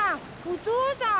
お父さん。